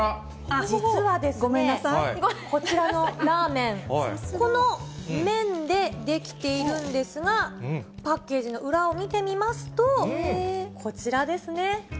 実はですね、こちらのラーメン、この麺で出来ているんですが、パッケージの裏を見てみますと、こちらですね。